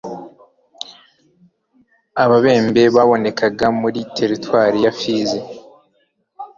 Ababembe babonekaga muri Teritwari ya Fizi